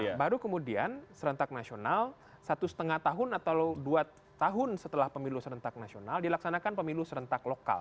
nah baru kemudian serentak nasional satu setengah tahun atau dua tahun setelah pemilu serentak nasional dilaksanakan pemilu serentak lokal